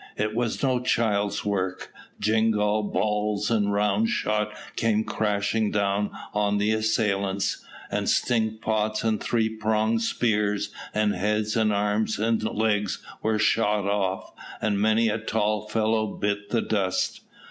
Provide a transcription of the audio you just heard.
It was no child's work; jingall balls and round shot came crashing down on the assailants, and stink pots and three pronged spears; and heads and arms and legs were shot off, and many a tall fellow bit the dust.